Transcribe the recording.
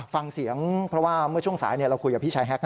ฟังเสียงเพราะว่าเมื่อช่วงสายเราคุยกับพี่ชายแฮ็ก